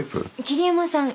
桐山さん